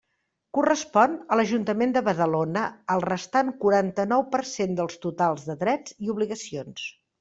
Correspon a l'Ajuntament de Badalona el restant quaranta-nou per cent dels totals de drets i obligacions.